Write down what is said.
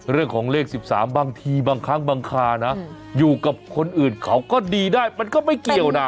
เรื่องของเลข๑๓บางทีบางครั้งบางคานะอยู่กับคนอื่นเขาก็ดีได้มันก็ไม่เกี่ยวนะ